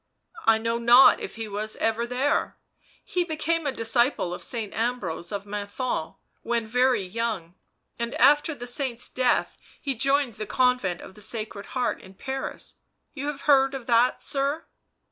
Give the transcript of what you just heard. " I know not if he was ever there; he became a disciple of Saint Ambrose of Menthon when very young, and after the saint's death he joined the Con vent of the Sacred Heart in Paris—you have heard that, sir